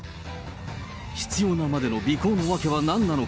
執ようなまでの尾行の訳はなんなのか。